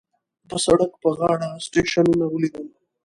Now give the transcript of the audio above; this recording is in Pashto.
په سړک په غاړو سټیشنونه وليدل.